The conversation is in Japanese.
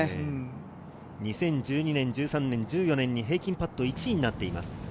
２０１２年、１３年、１４年に平均パット１位になっています。